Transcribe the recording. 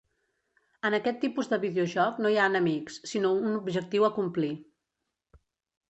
En aquest tipus de videojoc no hi ha enemics, sinó un objectiu a complir.